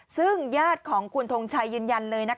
ซึ่งญาติของคุณทงชัยยืนยันเลย